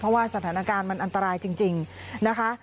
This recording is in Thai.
เพราะว่าสถานการณ์มันอันตรายจริงนะคะ